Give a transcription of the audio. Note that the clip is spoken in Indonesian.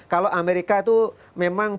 kalau amerika itu memang